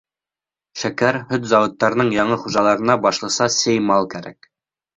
Шәкәр, һөт заводтарының яңы хужаларына башлыса сеймал кәрәк.